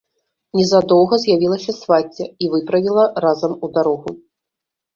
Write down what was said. Незадоўга з'явілася свацця і выправіла разам у дарогу.